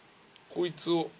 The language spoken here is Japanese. こいつを。